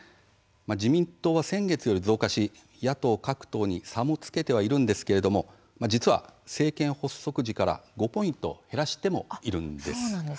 自民党は先月より増加し野党各党に差もつけてはいるんですが実は政権発足時から５ポイント減らしているんです。